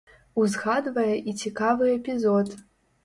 Узгадвае і цікавы эпізод.